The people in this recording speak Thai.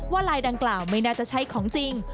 ลายดังกล่าวไม่น่าจะใช่ของจริง